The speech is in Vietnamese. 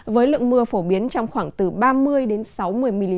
với lượng mưa phổ biến trong khoảng từ ba mươi đến sáu mươi độ